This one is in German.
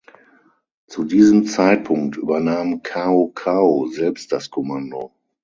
Zu diesem Zeitpunkt übernahm Cao Cao selbst das Kommando.